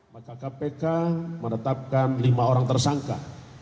maka kpk menetapkan lima orang tersangka